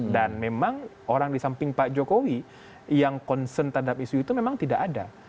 dan memang orang di samping pak jokowi yang concern terhadap isu itu memang tidak ada